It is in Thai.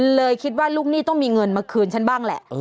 เลยคิดว่าลูกหนี้ต้องมีเงินมาคืนฉันบ้างแหละ